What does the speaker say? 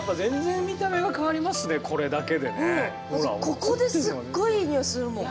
ここですっごいいい匂いするもん。